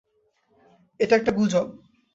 এটা একটা গুজব।